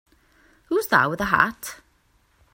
Who's that with the hat?